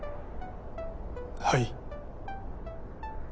はい。